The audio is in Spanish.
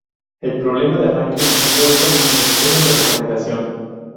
El problema de arranque en frío, es común en los sistemas de recomendación.